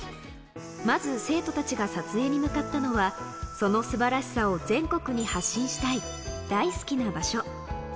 まず、生徒たちが撮影に向かったのは、そのすばらしさを全国に発信したい大好きな場所。